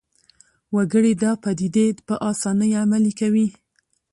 وګړي دا پدیدې په اسانۍ عملي کوي